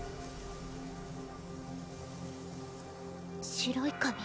白い髪